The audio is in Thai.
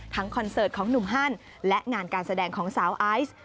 คอนเสิร์ตของหนุ่มฮันและงานการแสดงของสาวไอซ์